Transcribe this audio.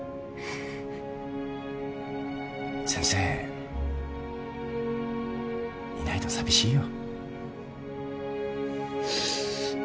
先生いないと寂しいよ。